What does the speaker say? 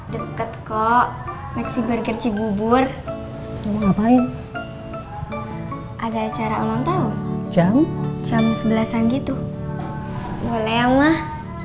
deket kok maxi burger cibubur ngapain ada acara ulang tahun jam sebelas gitu boleh mah